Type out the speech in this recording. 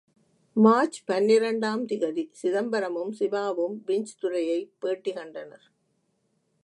March பனிரண்டு ஆம் தேதி சிதம்பரமும் சிவாவும் விஞ்ச் துரையைப் பேட்டி கண்டனர்.